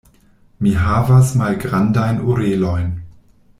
Mi havas malgrandajn orelojn.